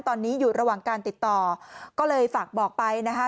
ตอนนี้อยู่ระหว่างการติดต่อก็เลยฝากบอกไปนะคะ